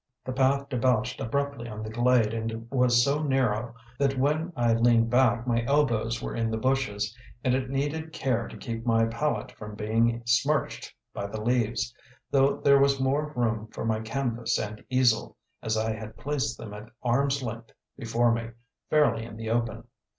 The path debouched abruptly on the glade and was so narrow that when I leaned back my elbows were in the bushes, and it needed care to keep my palette from being smirched by the leaves; though there was more room for my canvas and easel, as I had placed them at arm's length before me, fairly in the open.